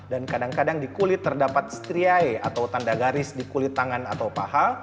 dan kadang kadang di kulit terdapat striae atau tanda garis di kulit tangan atau paha